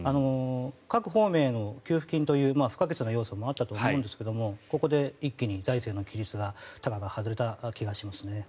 各方面、給付金という不可欠な要素もあったと思いますがここで一気に財政の規律のたがが外れた気がしますね。